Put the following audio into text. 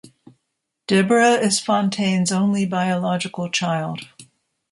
Deborah is Fontaine's only biological child.